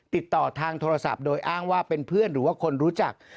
ติดต่อทางโทรศัพท์โดยอ้างว่าเป็นเพื่อนหรือว่าคนรู้จัก